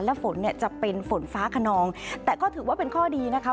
และฝนเนี่ยจะเป็นฝนฟ้าขนองแต่ก็ถือว่าเป็นข้อดีนะคะ